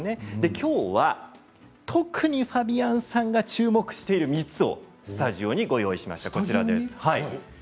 きょうは特にファビアンさんが注目している３つをスタジオにご用意しました。